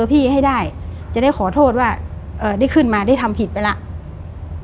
พี่ให้ได้จะได้ขอโทษว่าได้ขึ้นมาได้ทำผิดไปแล้ว